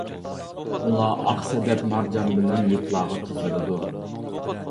ئۇلار ئاق سەدەپ مارجان بىلەن يىپلارغا تىزىلىدۇ.